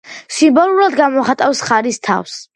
სიმბოლურად გამოხატავს ხარის თავს.